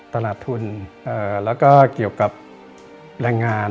ตลาดทุนแล้วก็เกี่ยวกับแรงงาน